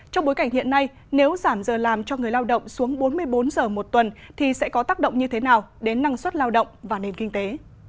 trong bối cảnh hiện nay nếu giảm giờ làm cho người lao động xuống bốn mươi bốn giờ một tuần thì sẽ có tác động như thế nào đến năng suất lao động và nền kinh tế